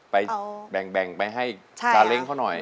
ไปแบ่งไปให้สาเล้งเขาน่ะ